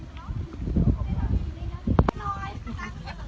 สวัสดีครับทุกคน